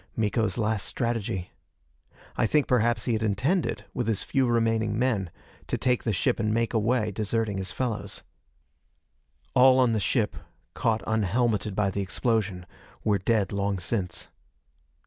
Miko's last strategy. I think perhaps he had intended, with his few remaining men, to take the ship and make away, deserting his fellows. All on the ship, caught unhelmeted by the explosion, were dead long since.